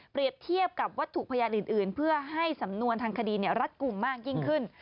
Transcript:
เทียบกับวัตถุพยานอื่นเพื่อให้สำนวนทางคดีรัดกลุ่มมากยิ่งขึ้น